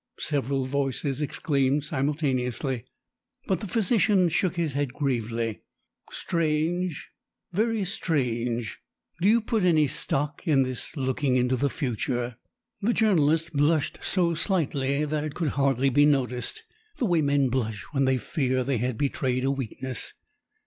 several voices exclaimed simultaneously. But the physician shook his head gravely. "Strange! Very strange! Do you put any stock in this looking into the future?" The journalist blushed so slightly that it could hardly be noticed, the way men blush when they fear that they had betrayed a weakness.